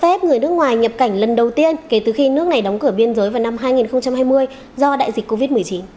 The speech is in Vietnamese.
cho phép người nước ngoài nhập cảnh lần đầu tiên kể từ khi nước này đóng cửa biên giới vào năm hai nghìn hai mươi do đại dịch covid một mươi chín